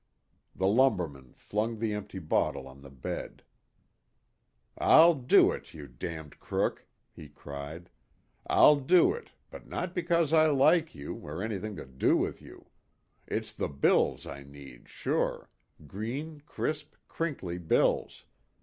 The lumberman flung the empty bottle on the bed. "I'll do it, you damned crook," he cried. "I'll do it, but not because I like you, or anything to do with you. It's the bills I need sure green, crisp, crinkly bills.